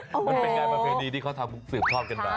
มันเป็นยังไงประเภทดีที่เขาทำฝึกสืบครอบกันป่ะ